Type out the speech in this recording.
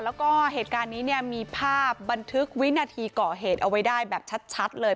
แล้วก็เหตุการณ์นี้เนี่ยมีภาพบันทึกวินาทีก่อเหตุเอาไว้ได้แบบชัดเลย